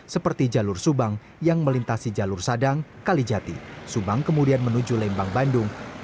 seperti jalur subang yang melintasi jalur sadang kalijati subang kemudian menuju lembang bandung